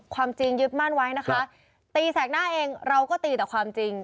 ความจริงยึดมั่นไว้นะคะตีแสกหน้าเองเราก็ตีแต่ความจริง